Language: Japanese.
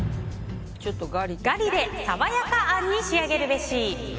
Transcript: ガリで爽やかあんに仕上げるべし。